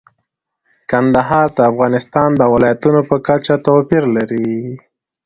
کندهار د افغانستان د ولایاتو په کچه توپیر لري.